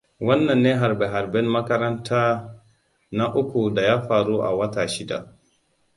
Wannan ne harbe-harben makaranta na uku da ya faru a wata shida.